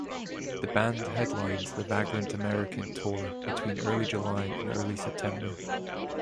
The band headlined the Vagrant America Tour between early July and early September.